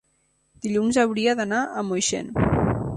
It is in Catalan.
Dilluns hauria d'anar a Moixent.